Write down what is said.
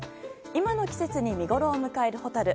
今の季節に見ごろを迎えるホタル。